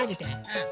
うん。